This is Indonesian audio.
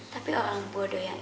tapi orang bodoh yang